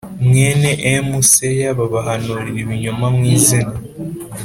mwene M seya babahanurira ibinyoma mu izina